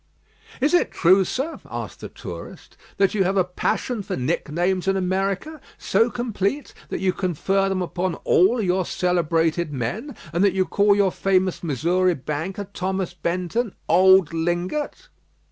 "Is it true, sir," asked the tourist, "that you have a passion for nicknames in America, so complete, that you confer them upon all your celebrated men, and that you call your famous Missouri banker, Thomas Benton, 'Old Lingot'?"